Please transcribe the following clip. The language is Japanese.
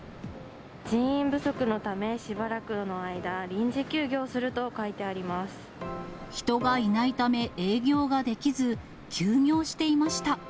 人員不足のため、しばらくの間、人がいないため営業ができず、休業していました。